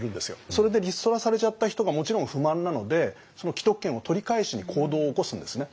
それでリストラされちゃった人がもちろん不満なのでその既得権を取り返しに行動を起こすんですね。